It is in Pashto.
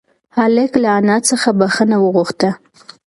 هلک له انا څخه بښنه وغوښته.